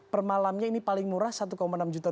per malamnya ini paling murah satu enam juta